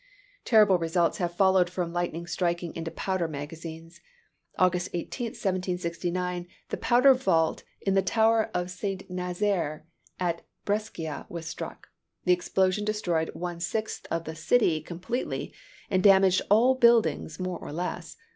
Terrible results have followed from lightning striking into powder magazines. August 18, 1769, the powder vault in the tower of St. Nazaire, at Brescia, was struck. The explosion destroyed one sixth of the city completely, and damaged all buildings more or less.